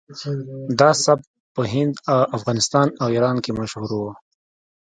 دا سبک په هند افغانستان او ایران کې مشهور و